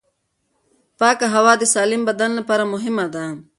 پاکه هوا د سالم بدن لپاره مهمه ده.